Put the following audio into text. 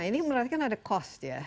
nah ini merasakan ada cost ya